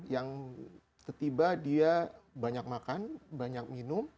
yang tiba tiba dia banyak makan banyak minum